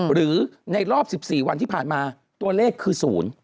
หรือในรอบ๑๔วันที่ผ่านมาตัวเลขคือ๐